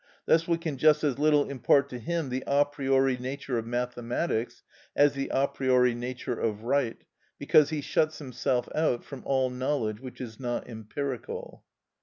Thus we can just as little impart to him the a priori nature of mathematics as the a priori nature of right, because he shuts himself out from all knowledge which is not empirical.